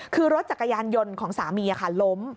คือรถจักรยานยนต์ของสามีล้ม